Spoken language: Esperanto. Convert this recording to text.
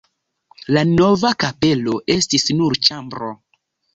La nova kapelo estis nur ĉambro.